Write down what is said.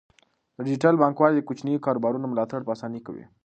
ډیجیټل بانکوالي د کوچنیو کاروبارونو ملاتړ په اسانۍ کوي.